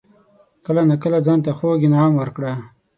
کله ناکله ځان ته خوږ انعام ورکړه.